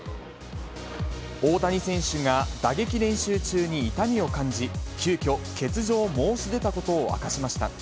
大谷選手が打撃練習中に痛みを感じ、急きょ、欠場を申し出たことを明かしました。